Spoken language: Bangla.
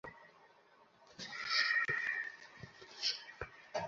নিউটনের কথা মনে আছে?